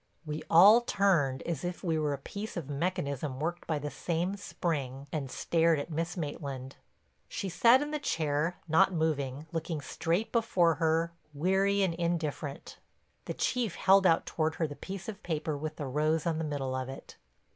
We all turned, as if we were a piece of mechanism worked by the same spring, and stared at Miss Maitland. She sat in the chair, not moving, looking straight before her, weary and indifferent. The Chief held out toward her the piece of paper with the rose on the middle of it.